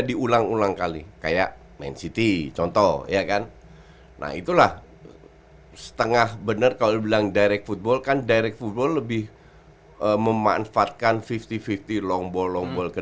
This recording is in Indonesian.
diulang ulang kali kayak rapaudan menang jadi beragama argoment jadi dijalankan dan mengingat ke